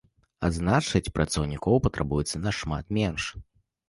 А значыць, працаўнікоў патрабуецца нашмат менш.